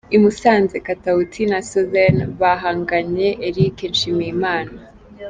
I Musanze, Katawuti na Sosthene bahagamye Eric Nshimiyimana.